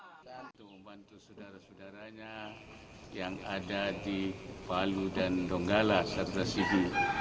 bantuan kemudian untuk membantu saudara saudaranya yang ada di palu dan donggala serta sidi